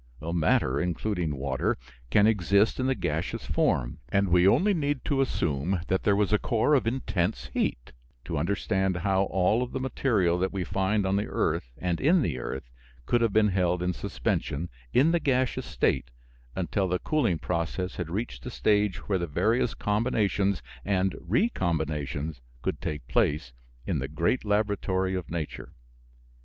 Matter, including water, can exist in the gaseous form, and we only need to assume that there was a core of intense heat, to understand how all the material that we find on the earth and in the earth could have been held in suspension in the gaseous state until the cooling process had reached a stage where the various combinations and recombinations could take place in the great laboratory of nature.